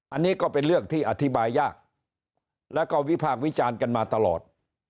อันนี้ก็เป็นเรื่องที่อธิบายยากแล้วก็วิพากษ์วิจารณ์กันมาตลอด